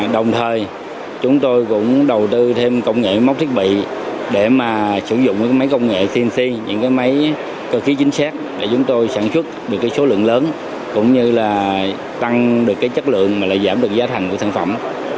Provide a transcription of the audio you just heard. đồng thời chúng tôi cũng đầu tư thêm công nghệ móc thiết bị để mà sử dụng những máy công nghệ cnc những máy cơ khí chính xác để chúng tôi sản xuất được số lượng lớn cũng như là tăng được chất lượng và giảm được giá thành của sản phẩm